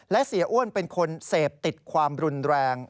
และเสียอ้วนเป็นคนเสพติดความรุนแรง